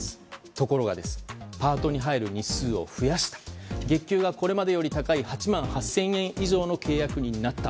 ところがパートに入る日数を増やし月給がこれまでより高い８万８０００円以上の契約になった。